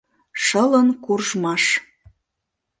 ШЫЛЫН КУРЖМАШ